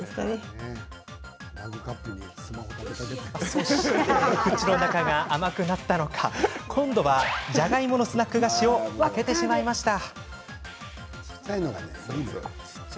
そして、口の中が甘くなったのか今度はじゃがいものスナック菓子を開けてしまいました。